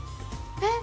えっ？